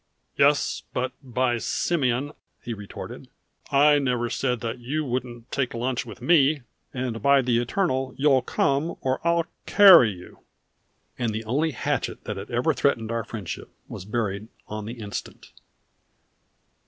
"Yes, but by Simeon," he retorted, "I never said that you wouldn't take lunch with me, and by the Eternal you'll come or I'll carry you!" And the only hatchet that ever threatened our friendship was buried on the instant.